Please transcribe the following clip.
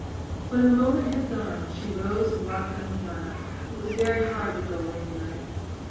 When her moment had gone, she rose and walked down the aisle. It was very hard to go away tonight.